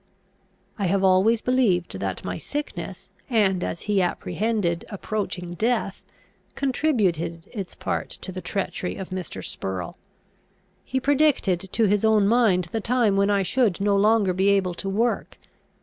I have always believed that my sickness, and, as he apprehended, approaching death, contributed its part to the treachery of Mr. Spurrel. He predicted to his own mind the time when I should no longer be able to work.